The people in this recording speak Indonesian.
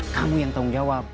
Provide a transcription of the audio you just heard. kamu yang tanggung jawab